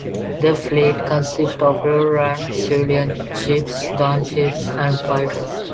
Their fleet consists of Auroran civilian ships, gun ships and fighters.